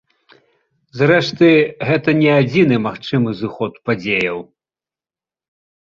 Зрэшты, гэта не адзіны магчымы зыход падзеяў.